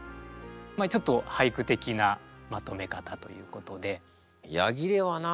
ちょっと俳句的なまとめ方ということで。